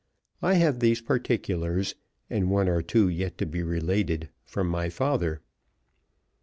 I have these particulars, and one or two yet to be related, from my father.